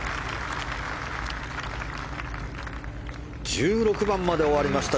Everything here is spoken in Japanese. １６番まで終わりました